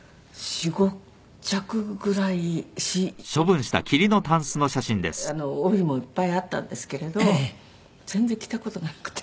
４０５０ぐらいあって帯もいっぱいあったんですけれど全然着た事なくて。